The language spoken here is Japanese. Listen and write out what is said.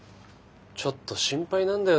ちょっと心配なんだよね